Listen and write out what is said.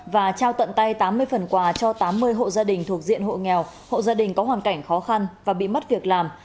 và trao tận tay tám mươi phần quà cho tám mươi hộ gia đình thuộc diện hộ nghèo hộ gia đình có hoàn cảnh khó khăn và bị mất việc làm